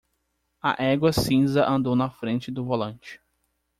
A égua cinza andou na frente do volante.